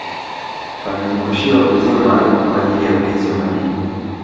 pamezungushiwa uzio maalumu kwa ajili ya ulinzi wa madini